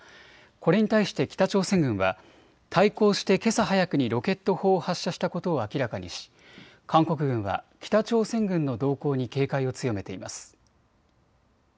これに対して北朝鮮軍は対抗してけさ早くにロケット砲を発射したことを明らかにし韓国軍は北朝鮮軍の動向に警戒を強めています。